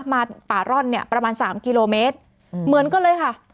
ป่าร่อนเนี่ยประมาณสามกิโลเมตรเหมือนกันเลยค่ะ